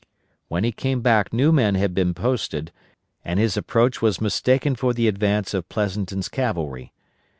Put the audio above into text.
When he came back new men had been posted, and his approach was mistaken for the advance of Pleasonton's cavalry.